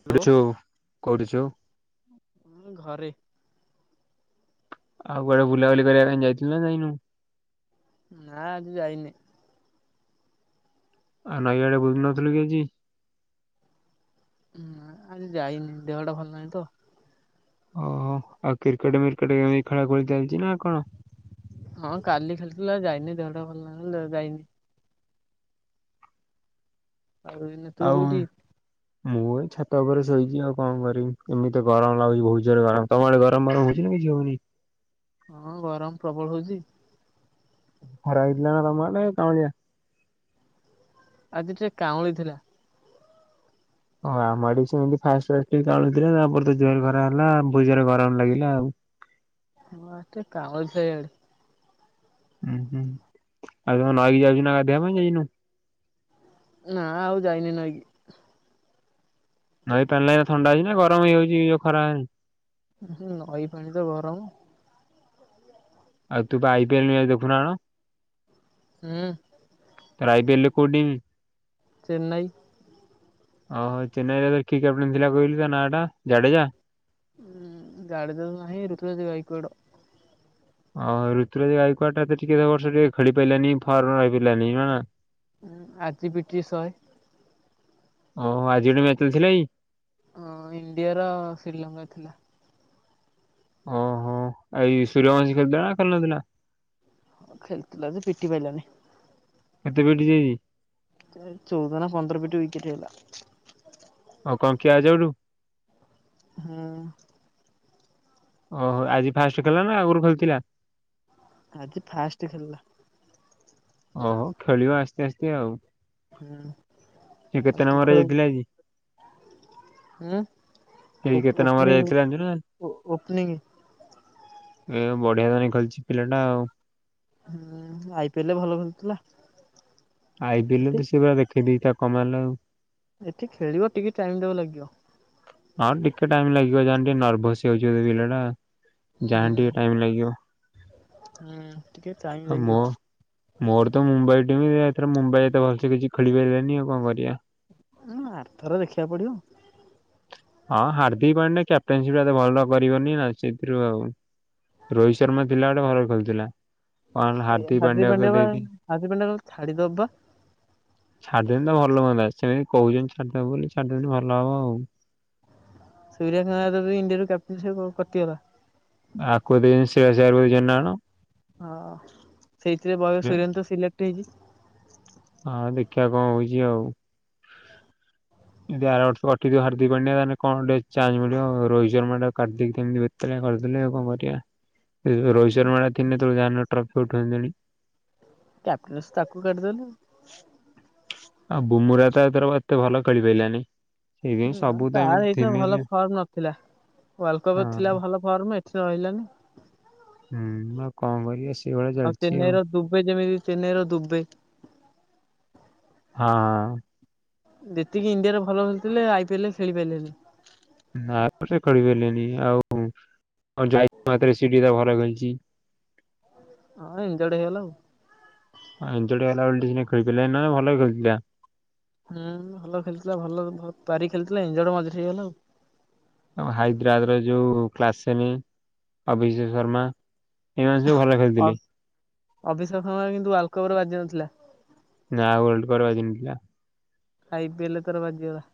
[unintelligible] କରିଛୁ। ଉଁ ଘରେ। ଆଉ କୁଆଡେ ବୁଲାବୁଲି କରିବା ପାଇଁ ଯାଇଥିଲୁ ନା ଯାଇନୁ? ନା ଆଜି ଯାଇନି। ଆଉ ନଇ ଆଡେ ବୁଲୁନଥିଲୁ କି ଆଜି? ଆଜି ଯାଇନି ଦେହ ଟା ଭଲ ନାହିଁ ତ। ଓହୋ ଆଉ କ୍ରିକେଟ ମ୍ରିକେଟ ଏମିତି ଖେଳା ଖେଳି ଚାଲିଛି ନା କଣ? ହଁ କାଲି ଖେଳୁଥିଲୁ ଆଜି ଯାଇନି ଦେହଟା ଭଲ ଲାଗିନ ଯାଇନି। ଆଉ ଏଇନା ତୁ କଉଠି? ମୁଁ ଏ ଛାତ ଉପରେ ଶୋଇଛି ଆଉ କଣ କରିବି ଏମତି ଗରମ ଲାଗୁଛି ବହୁତ ଜରେ ଗରମ ତମ ଆଡେ ଗରମ ଫରମ ହଉଛି ନା କିଛି ହଉନି? ହଁ ଗରମ ପ୍ରବଳ ହଉଚି। ଖରା ହେଇଥିଲା ନା ତମ ଆଡେ କାଉଁଳିଆ? ଆଜି ଟିକେ କାଉଁଳି ଥିଲା। ଓ ଆମ ଆଡେ ବି ସେମତି ଫାଷ୍ଟ ଫାଷ୍ଟ ଟିକେ କାଉଁଳୁଥିଲା ତାପରେ ତ ଜୋର ଖରା ହେଲା ବୋହୁତ ଜୋରେ ଗରମ ଲାଗିଲା ଆଉ। ହଁ ଆଜି ଟିକେ କାଉଁଳିଥିଲା ଇଆଡେ। ହୁଁ ହୁଁ ଆଉ ତମ ନଈକି ଯାଉଛୁ ନା ଗାଧେଇବା ପାଇଁ ଯାଇନୁ? ନା ଆଉ ଯାଇନି ନଈ କି। ନାଇଁ ପାଣିରା ଇନା ଥଣ୍ଡା ହେଇଛି ନା ଗରମ ହେଇଯାଉଛି ଏଇ ଯଉ ଖରା ହେନେ? ହୁଁ ନଈ ପାଣି ତ ଗରମ? ଆଉ ତୁ ପା ଆଇ ପିଏଲ ଦେଖୁନା କଣ? ହୁଁ। ରାଇ ବି, ଲ କଉଡି? ଚେନ୍ନାଇ। ଓହୋ ଚେନ୍ନାଇରେ କି କ୍ୟାପଟେନ୍ ଥିଲା କହିଲୁ ତା ନାଁ ଟା ଜାଡେଜା? ହଁ ଗାଡିତ ନାହିଁ ଭାଇ ଋତୁ ସହ ଯାଇଛି କୁଆଡ। ହଉ ଋତୁରାଜ ୱାଲ୍ଡକପ ତ ଟିକେଦେଖିକି ଏବର୍ଷ ଟିକେ ଖେଳି ପାରିଲାନି ଫର୍ମ ରେ ରହିଁପାରିଲାନି ମା ମା? ହୁଁ ଆଜି ପିଠି ଶହେ। ଓହୋ ଆଜି ଗୋଟେ ମ୍ୟାଚ ଥିଲା କି? ଅ ଇଣ୍ଡିଆର ଶ୍ରୀଲଙ୍କା ଥିଲା। ଓହୋ ଏଇ ସୂର୍ଯ୍ୟଭଞ୍ଜ ଖେଳୁଥିଲା ନା ଖେଳୁନଥିଲା? ଖେଳୁଥିଲା ଯେ ପିଟି ପାଇଲାନି। କେତେ ପିଟିଚି ଆଜି? ଚଉଦ ନା ପନ୍ଦର ୱିକେଟ୍ ହେଲା। ଆଉ କଣ କ୍ୟାଚ ଆଉଟ୍? ହଁ। ଓହୋ ଆଜି ଫାଷ୍ଟ ଖୋଲିଲା ନା ଆଗରୁ ଖେଳିଥିଲା। ଆଜି ଫାଷ୍ଟ ଖେଳିଲା। ଓହୋ ଖେଳିବ ଆସ୍ତେ ଆସ୍ତେ ଆଉ ହୁଁ। ସେ କେତେ ନମ୍ୱର ରେ ଜିତିଲା ଆଜି? ସେଇ ହୁଁ କେତେ ନମ୍ବରରେ ଓପନି ଯାଇଥିଲା ଜାଣିଛୁ ନା? ଓପନିଂ ଏ ବଢିଆ ଜାଇ ଖେଳିଛି ପିଲାଟା ଆଉ। ହୁଁ ଆଇପିଏଲ ଭଲ ଖେଳୁଥିଲା। ଆଇପିଏଲ ରେ ଏଠି ତ ସେଇଭଳିଆ ଦେଖେଇ ଦେଇଚି ତା କମାଲ ଆଉ। ଏଠି ଖେଳିବ ଟିକେ ଟାଇମ ଦବ ଲାଗିବ। ଆଉ ଟିକେ ଟାଇମ ଲାଗିବ ଯାହେଲେ ଟିକେ ନର୍ଭସ ହେଇ ଯାଉଛି ପିଲା ଟା। ଯାହା ହୁଁ ହେଲେ ଟିକେ ଟାଇମ ଲାଗିବ ହୁଁ ଟିକେ ଟାଇମ ଆଉ ଲାଗିବ ମୋ ମୋର ତ ମୁମ୍ବାଇ ଟିମ୍ ଏଥର ମୁମ୍ବାଇ ଏତେ ଭଲସେ କିଛି ଖେଳି ପାରିଲାନି ଆଉ କଣ କରିବା। ହ ଆରଥର ଦେଖିବାକୁ ପଡିବ। ହଁ ହାର୍ଦ୍ଦିକ ପାଣ୍ଡ୍ୟା କ୍ୟାପ୍ଟେନସିପ ଏତେ ଭଲ କରିବନି ନା ସେଥିରୁ ଆଉ। ରୋହିତ ଶର୍ମା ଥିଲା ବେଳେ ଭଲ ଖେଳୁଥିଲା। କଣ ଏ ହାର୍ଦ୍ଦିକ ପାଣ୍ଡ୍ୟାକୁ ତ ପାଣ୍ଡ୍ୟା ବା ଦେଇଦେଇ ହାର୍ଦ୍ଦିକ ପାଣ୍ଡ୍ୟା ବା ଛାଡିଦବ ବା? ଛାଡିଦେଲେ ତ ଭଲ ହୁଆନ୍ତା ସେମିତି କହୁଛନ୍ତି ଛାଡିଦବ ବୋଲି ଛାଡିଦବ ଯଦି ଭଲ ହବ ଆଉ। ସୂର୍ୟ ୟାଦବ ଇଣ୍ଡିଆରୁ କ୍ୟାପ୍ଟେନସିପ୍ ରୁ କଟିଗଲା। ଆକୁ ବି [unintelligible] ହଁ ସେଇଥିରେ ବୟସ ସୁରେନ୍ତ ସିଲେକ୍ଟ ହେଇଛି। ହଁ ଦେଖିବା କଣ ହଉଛି ଆଉ। ଯଦି ଆରବର୍ଷ କଟିଥିବ ହାର୍ଦ୍ଦିକ ପାଣ୍ଡ୍ୟା ତାହେଲେ କଣ ଗୋଟେ ଚାନ୍ସ ମିଳିବ ରୋହିତ ଶର୍ମା ଟାକୁ କାଟି କେମିନ୍ତି କରିଦେଲେ ଆଉ କଣ କରିବା? ରୋହିତ ଶର୍ମା ଥିଲେ ତୁ ଜାଣିନୁ ଟ୍ରଫି ଠେଲିଦେଲି। କ୍ୟାପଟେନ୍ସ ତାକୁ କାଟିଦେଲୁ। ଆଉ ବୁମୁରା ତ ଏଥର ଏତେ ଭଲ ଖେଳି ପାରଲାନି। ନା ତାର ଏଇଥର ଭଲ ଫର୍ମ ନଥିଲା। ୱାର୍ଲଡ କପ୍ ରେ ହଁ। ଥିଲା ଭଲ ଫର୍ମ ଏଇଥିରେ ରହିଲାନି। ହୁଁ ମୁଁ ଆଉ କଣ କରି ସେଇଭଳିଆ ଆଉ ଚାଲିଛି। ଆଉ ଚେନ୍ନାଇର ଦୁବେ ଯେମିତି ଚେନ୍ନାଇ ର ଦୁବେ। ହଁ। ଯେତିକି ଇଣ୍ଡିଆରେ ଭଲ ଖେଳୁଥିଲେ ଆଇ ପିଏଲ ରେ ଖେଳି ପାରିଲେନି। ନା ସେ କରିପାରିଲେନି ଆଉ ଯାଇ ମାତରେ ସିଟି ରେ ଭଲ ଖେଳିଛି। ହଁ ଏଞ୍ଜଡ୍ ହେଇଗଲା ଆଉ। ଏଞ୍ଜଡୁ ହେଲା ବୋଲି ଟିକେ ଖେଲିପରିଲିନି ନା ଭଲ ଖେଳିଥିଲା ହୁଁ ଭଲ ଖେଳୁଥିଲା ଭଲ ପାରି ଖେଳିଥିଲା ଇନଯୋଡ ମଝିରେ ହେଇଗଲା ଆଉ। ଆଉ ହାଇଦ୍ରାବାଦ ଯୋଉ କ୍ଲାସେନି ଅଭିଷେକ୍ ଶର୍ମା। ଏମାନେ ସବୁ ଭଲ ଅ ଖେଳିଥିଲେ। ଅଭିଷେକ ଶର୍ମାର କିନ୍ତୁ ୱାଲକପରେ ବାଜି ନଥିଲା। ନାଆ ଓଲଟ କରେ ବାଜିନଥିଲା। ଆଇପିଏଲ ରେ ତାର ବାଜିଗଲା।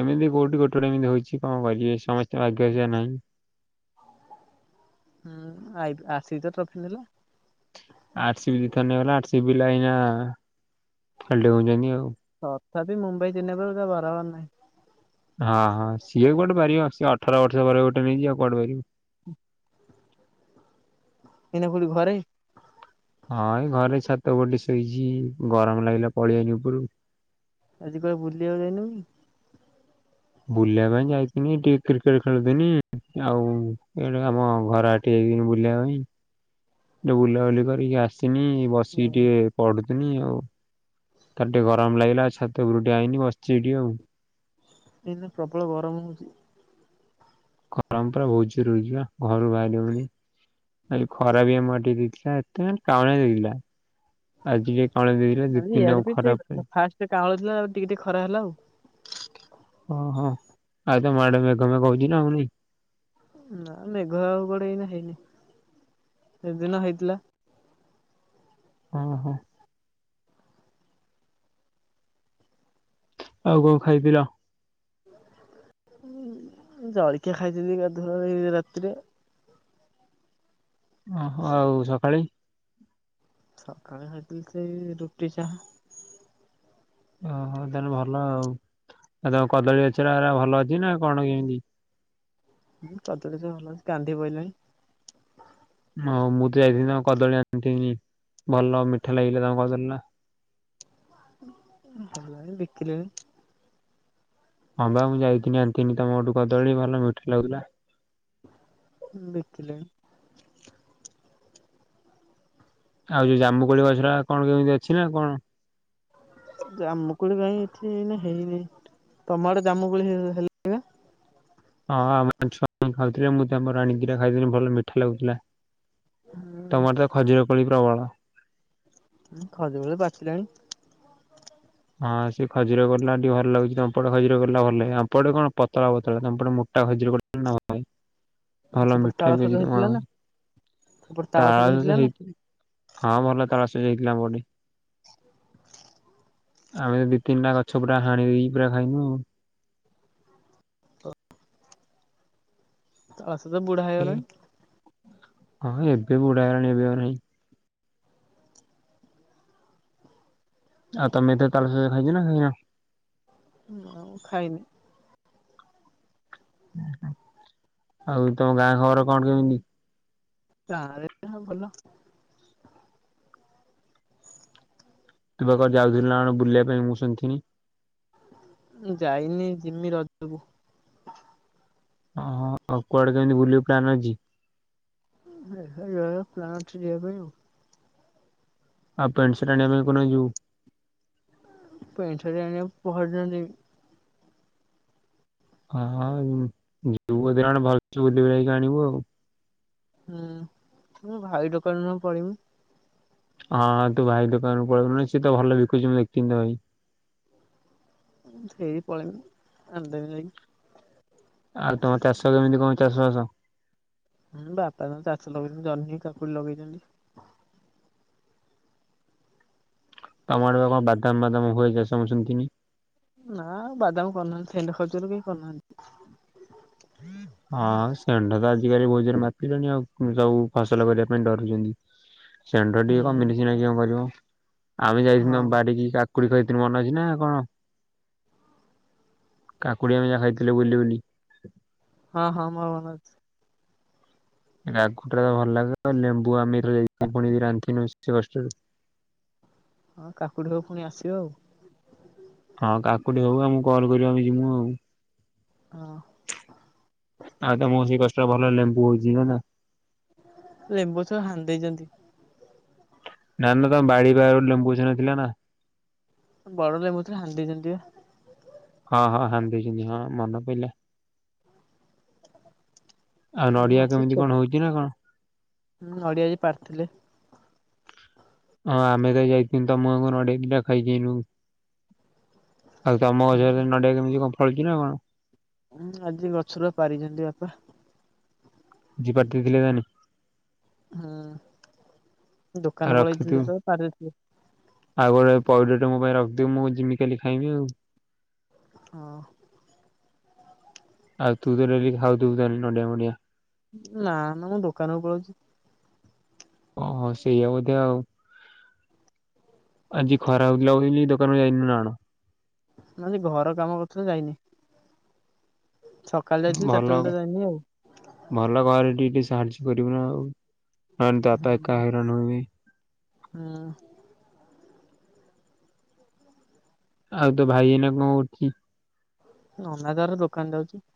ଏମିତି କୋଉଠି ଗୋଟେ ଗୋଟେ ଏମିତି ହୋଇଛି। କଣ କରିବେ ସମସ୍ତେ ଭାଗ୍ୟରେ ସେହା ନାହିଁ। ହୁଁ ଆପି ଆରସିବି ତ ଟ୍ରଫି ନେଲା। [unintelligible] ଆରସିବି ଦିଥର ନେଇଗଲା। ଆରସିବି ପିଲାଏ ଏଇନା ଖାଲି ଡେଉଁଛନ୍ତି ଆଉ। ତଥାପି ମୁମ୍ବାଇ [unintelligible] ବରବାର ନାହିଁ। ହଁ ହଁ ସିଏ ବି କୋଉଠି ପାରିବ। ସିଏ ଅଠର ବର୍ଷ ପରେ ଗୋଟେ ନେଇଚି ଆଉ କୁଆଡେ ପାରିବ। ଏଇନା କୋଉଠି ଘରେ? ହଁ ଏଇ ଘରେ ଛାତ ଉପରେ ଟିକେ ଶୋଇଛି। ଗରମ ଲାଗିଲା ପଳିଆଇଲୀ ଉପରକୁ। ଆଜି କୁଆଡେ଼ ବୁଲିବାକୁ ଯାଇନୁ କି? ବୁଲିବା ପାଇଁ ଯାଇଥିନି। ଟିକେ କ୍ରିକେଟ ଖେଳୁଥିନି। ଆଉ ଏ ଆମ ଘର [unintelligible] ବୁଲିବା ପାଇଁ ଟେକେ ବୁଲାବୁଲି କରିକି ଆସିନି ବସିକି ଟିକେ ପଢୁଥିନି ଆଉ। ତାରେ ଟିକେ ଗରମ ଲାଗିଲା ଛାତ ଉପରକୁ ଟିକେ ଆଇନି ବସିଛି ଏଇଠି ଆଉ। ଏଇନା ପ୍ରବଳ ଗରମ ହଉଛି। ଖରମ ପରା ବହୁତ ଜୋର ହେଇଯିବ ନା? ଘରୁ ବାହାରିହଉନି। କାଲି ଖରା ବି ଆମଟିକେ ଦେଇଥିଲା। ଏତେ କାଉଁଳିଆ ଲାଗିଲା ଆଜି କାଇଁ କାଉଁଳିଆ ଦେଇଥିଲା। ଦୁଇ ତିିନ ଆଉ ଖରାପାଇଁ। ସେ କାଉଁଳ ଥିଲା ଆଉ ଟିକେ ଟିକେ ଖରା ହେଲା ଆଉ। ହଁ ହଁ। ଆଉ ତମ ଆଡେ ମେଘ ମେଘ କହୁଛିି ନା ହଉନି? ନା ମେଘ ଆଉ ଗୋଡେ ଏଇନା ହେଇନି। ସେଦିନ ହେଇଥିଲା। ହଁ ହଁ। ଆଉ କଣ ଖାଇ ପିଲ? ଜଳଖିଆ ଖାଇଥିଲି ଗାଧୁଆବେଲେ ଏଇ ରାତିରେ। ଓହୋ ଆଉ ସକାଳେ? ସକାଳେ ହେ ସେ ରୁଟି ଚାହା। ଓହୋ ତାହେଲେ ଭଲ ଆଉ। ଆ ତମ କଦଳୀ ଗଛ ଗୁରା ଭଲ ଅଛି ନା କଣ କେମିତି? ହଁ କଦଳୀ ଗଛ ଭଲ ଅଛି କାନ୍ଦି ପଇଲାଣି। ଓ ମୁଁ ତ ଯାଇଥିଲି ତମ କଦଳୀ ଆଣିଥିନି। ଭଲ ମିଠା ଲାଗିଲା ତମ କଦଳୀ ଟା। ଭଲ [unintelligible] ହଁ ବା ମୁଁ ଯାଇଥିଲିନି ଆଣିନ୍ତିିନି ତମଘଠୁ କଦଳୀ। ଭଲ ମିଠା ଲାଗୁଥିଲା। ବିକିଲେ ଆଉ ଯୋଉ ଜାମୁକୋଳି ଗଛ ଟା କଣ କେମିତି ଅଛି ନା କଣ? ଜାମୁକଳି କାଇଁ ଏଠି ଏଇନେ ହେଇନି। ତମଆଡେ ଜାମୁକୋଳି ହେ ହେ ହଁ ଆମ ଛୁଆ ଖାଉଥିଲେ। ମୁଁ ତାଙ୍କର ଆଣିକି ଦିଟା ଖାଇଦେଲି। ଭଲ ମିଠା ଲାଗୁଥିଲା। [inaudible] ତମର ତ ଖଜୁରକୋଳି ପ୍ରବଳ। ଖଜୁରୀ କୋଳି ପଚିଲାଣି। ହଁ ସେ ଖଜୁର ଗଲା ଟିକେ ଭଲ ଲାଗୁଛି। ତମପଟେ ଖଜୁର ଗଲା ଭଲ ଲାଗେ। ଆମପଟେ କଣ ପତଳା ପତଳା ତମପଟେ ମୋଟା ଖଜୁର ଗୁ [unintelligible] ଭଲ ସେପଟେ ମିଠା ତାଳ ବି ସଜ ହେଇଥିଲା ନା [unintelligible] ସେପଟେ ତାଳ ହେଇଥିଲା ନା ସଜ ହଁ ଭଲ ତାଳସଜ ହେଇଥିଲା ଅମଘଟି। ଆମେ ଦି ତିନିଟା ଗଛ ପୁରା ହାଣି ଦେଇ ପୁରା ଖାଇନୁ। [unintelligible] ତାଳସଜ ବୁଢ଼ା ଏ ହେଇଗଲାଣି। ହଁ ଏବେ ବୁଢା ହେଇଗଲାଣି। ଏବେ ଆହୁରି ଆଉ ତମେ ତ ତାଲସଜ ଖାଇଛ ନା ଖାଇନା? ନା ମୁଁ ଖାଇନି। ଆଉ ତୋ ଗାଁ ଖବର କଣ କେମିତି? ତାହାଲେ ତ ଭଲ। ତୁ ବା କୁଆଡେ ଯାଉଥିଲୁ ବୁଲିବା ପାଇଁ ମୁଁ ଶୁଣିଥିଲି। ଯାଇନି ଯିମି ରଜକୁ। ଓହୋ ଆଉ କୁଆଡେ କେମିତି ବୁଲିବି ପ୍ଲାନ ଅଛି? ଦେଖାଯାଉ ପ୍ଲାନ ଠିକ୍ ଆଗ ହେଇଯାଉ। ଆଉ ପେଣ୍ଟ ସାର୍ଟ ଆଣିବାକୁ କୋଉଦିନ ଯିବୁ? ପେଣ୍ଟ ସାର୍ଟ ଆଣିବାକୁ ପହରଦିନ ଯିବି। ହଁ ହଁ ଯିବୁ ବୋଧେ କଣ ଭଲସେ ବୁଝି ବାଝିକି ଆଣିବୁ ଆଉ। ହୁଁ ମୁଁ ଭାଇ ଦୋକାନରୁ ପଳେମି। ହଁ ହଁ ତୁ ଭାଇ ଦୋକାନରୁୁ ପଳେଇୁ ସେ ତ ଭଲ ବିକୁଛି ମୁଁ ଦେଖିିନି ତ ଭାଇ। ସେଇ ପଳେଇ ଆଣିଦେବି ଯାଇକି। ଆଉ ତମ ଚାଷ କେମିତି କଣ ଚାଷ ବାସ। ହୁଁ ବାପା ତ ଚାଷ ଲଗେଇଛନ୍ତି ଜହ୍ନି, କାକୁଡି ଲଗେଇଛନ୍ତି। ତମଆଡେ ବା କଣ ବାଦାମ ବାଦାମ ହୁଏ ମୁଁ ଶୁଣିଥିନି। ନା ବାଦାମ କରୁନାହାନ୍ତି ସେଣ୍ଡ ଖାଉଛନ୍ତିବୋଲି କରୁନାହାନ୍ତି। ହଁ ଷେଣ୍ଢ ତ ଆଜିକାଲି ବହୁତ ଜୋରେ ମାତିଲେଣି ଆଉ ସବୁ ଫସଲ କରିବା ପାଇଁ ଡରୁଛନ୍ତି। ଷେଣ୍ଢ ଟିକେ ହୁଁ କମିନେ ସିନା କଣ କରିବ, ଆମେ ହଁ ଯାଇଥିନୁ ଆମ ବାଡିକିା କାକୁଡି ଖାଇଥିଲି ମନ ଅଛି ନା କଣ କାକୁଡି ଆମେ ଯୋଉ ଖାଇଥିଲୁ ବୁଲି ବୁଲି। ହଁ ହଁ ମୋର ମନଅଛି। ରାଗ ଟା ତ ଭଲ ଲାଗେ ଲେମ୍ବୁ ଆମେ ଏଥର ଯାଇକି ପୁଣି ରାନ୍ଧିନୁ ଏତେ କଷ୍ଟରେ। ହଁ କାକୁଡି ତକ ପୁଣି ଆସିବ ଆଉ। ହଁ କାକୁଡ଼ି ହବ ଆମକୁ କଲ୍ କରିମୁ ଆମେ ଯିବୁ ଆଉ। ହଁ। ଆଉ ତମ ସେଇ ଗଛରେ ଭଲ ଲେମ୍ବୁ ହଉଛି ନା ନା। ଲେମ୍ବୁ ଗଛ ହାଣି ଦେଇେଇଛନ୍ତି। ନା ନା ତମ ବାଡି ବାଗରେ ଗୋଟେ ଲେମ୍ବୁ ଗଛଟେ ଥିଲା ନା। ବଡ ଲେମ୍ବୁ ଥିଲା ହାଣି ଦେଇଛନ୍ତି ବା। ହଁ ହଁ ହାଣି ଦେଇଛନ୍ତି ହଁ ମନ ପଇଲା। ଆଉ ହୁଁ ନଡିଆ ଅଛି କେମିତି ଛୋ କଣ ହଉଛି ନା କଣ? ନଡିଆ ଆଜି ପାରିଥିଲେ ହଁ ଆମେ ତ ଯାଇଥିନୁ ତମ ଘରଆଡେ ନଡେଇଟା ଖାଇକିନୁ। ଆଉ ତମ ଗଛରେ ନଡିଆ କେମିତି କଣ ଫଳିଛି ନା କଣ? ହୁଁ ଆଜି ଗଛରୁ ପାରିଛନ୍ତି ବାପା। ଯିବା [unintelligible] ହୁଁ ଆଉ ଦୋକାନ ରଖିଥିବୁ। ପଳେଇଥିଲି ତ ପାର ଆଉ ଗୋଟେ ପଇଡଟେ ମୋ ପାଇଁ ରଖଥିବୁ, ମୁଁ ଯିମି କାଲି ଖାଇବି ଆଉ। ହଁ। ଆଉ ତୁ ତ ଡେଲି ଖାଉଥିବୁ ନଡିଆ ମଣ୍ଡିଆ। ନା ନା ମୁଁ ଦୋକାନକୁ ପଳଉଛି। ଓହୋ ସେଇଆ ବୋଧେ ଆଉ। ଆଜି ଖରା ହଉଥିଲା ବୋଲି ଦୋକାନରୁ ଯାଇନୁ ନା କଣ? ଘର କାମ କରୁଥିଲ ଯାଇନି ସକାଳେ ଯାଇଥିଲି ଭଲ ଚାରିଟା ଲେ ତ ଯାଇନି ଆଉ। ଭଲ ଘରେ ଟିକେ ଟିକେ ସାହାଯ୍ୟ କରିବୁ ନା ଆଉ ନହଲେ ତ ବାପା ଏକା ହଇରାଣ ହେବେ। ହୁଁ। ଆଉ ତୋ ଭାଇ ଏଇନା କଣ କରୁଛି? ନନା ତାର ଦୋକାନ ଯାଉଛି।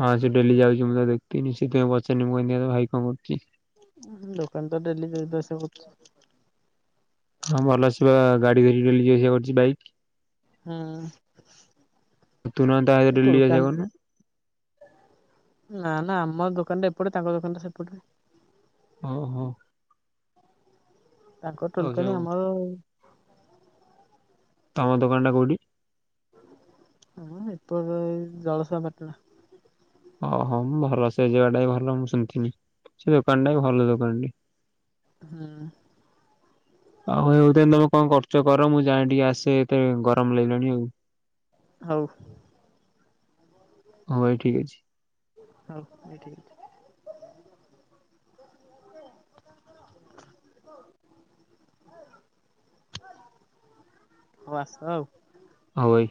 ହଁ ସେ ଡେଲି ଯାଉଛି ମୁଁ ତ ଦେଖଥିଲି ସେଥିପାଇଁ ପଚାରନି ମୁଁ ତୋ ଭାଇ କଣ କରୁଛି। ଦୋକାନ ତ ଡେଲି ଯିବା ଆସିବା କରୁଛି ଆଉ। ହଁ ଭଲ ସେବା ଗାଡି ଧରି ଯିବା ଆସିବା କରୁଛି ବାଇକ୍ ହୁଁ [unintelligible] ତୁ ନହେଲେ ତା ସହିତ ଡେଲି ଯିବା ଆସିବା କରୁନୁ। ନା ନା ଆମ ଦୋକାନଟା ଏପଟେ, ତାଙ୍କ ଦୋକାନଟା ସେପଟେ। ଓହୋ ତାଙ୍କ ଆଉ ଟଲକାନୀ ଯୋଉ ଆମର ତମ ଦୋକାନ ଟା କୋଉଠି ଆ ଏପ ଜଳସ ପଟଣା ଓହୋ ମୁଁ ଭଲ ସେ ଯିଗା ଟା ବି ଭଲ ମୁଁ ଶୁଣିଥିନି ସେ ଦୋକାନ ଟା ବି ଭଲ ଦୋକାନଟି ହଁ ଆଉ ହେଉଥା ତମେ କଣ କରୁଛ କର ମୁଁ ଯାଏ ଟିକେ ଆସେ ଏତେ ଗରମ ଲାଗିଲାଣି ଆଉ ହଉ ହଁ ଭାଇ ଠିକ ଅଛି ହଉ ଭାଇ ଠିକ ଅଛି ହଉ ଆସ ଆଉ ହଉ ଭାଇ